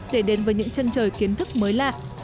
để đến với những chân trời kiến thức mới lạ